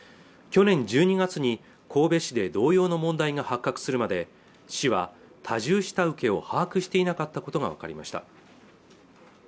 去年１２月に神戸市で同様の問題が発覚するまで市は多重下請けを把握していなかったことが分かりました